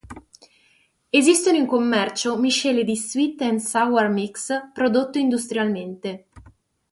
Esistono in commercio miscele di sweet and sour mix prodotto industrialmente.